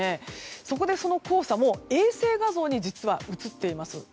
そこでその黄砂も衛星画像に実は写っています。